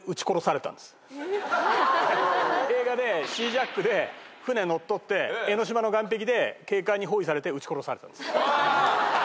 映画でシージャックで船乗っ取って江の島の岸壁で警官に包囲されて撃ち殺されたんです。